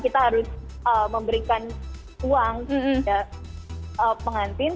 kita harus memberikan uang kepada pengantin